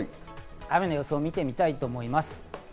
雨の予想を見てみたいと思います。